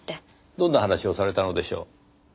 どんな話をされたのでしょう？